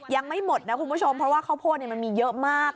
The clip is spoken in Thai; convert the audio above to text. ยังไม่หมดนะคุณผู้ชมเพราะว่าข้าวโพดมันมีเยอะมาก